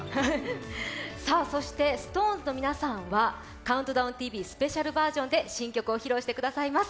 そして、ＳｉｘＴＯＮＥＳの皆さんは「ＣＤＴＶ」スペシャルバージョンで新曲を披露してくださいます。